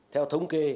theo thống kê